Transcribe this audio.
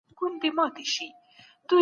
ناول تعلیمي موضوع لري.